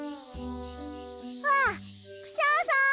あクシャさん！